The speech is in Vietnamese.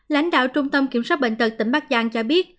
lãnh đạo trung tâm kiểm soát bệnh tật tỉnh bắc giang cho biết